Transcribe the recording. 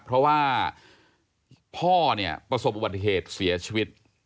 เพราะว่าพ่อเนี่ยประสบอุบัติเหตุเสียชีวิต